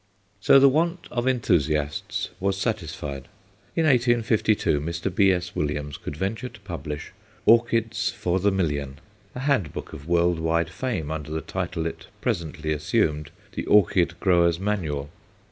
So the want of enthusiasts was satisfied. In 1852 Mr. B.S. Williams could venture to publish "Orchids for the Million," a hand book of world wide fame under the title it presently assumed, "The Orchid Grower's Manual."